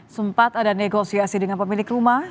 sempat ada negosiasi dengan pemilik rumah